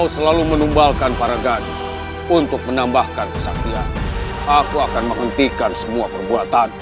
sekarang rasakan ini